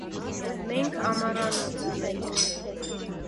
Մենք ամառանոց ունենք: